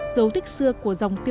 giấu thích xưa của dòng tiêu tình